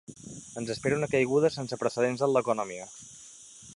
Ens espera una caiguda sense precedents en l’economia.